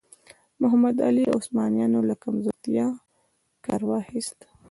محمد علي د عثمانیانو له کمزورتیاوو کار واخیست.